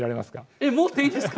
えっ持っていいんですか？